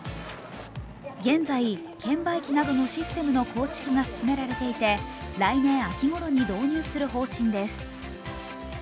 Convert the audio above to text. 現在、券売機などのシステムの構築が進められていて来年秋ごろに導入される方針です。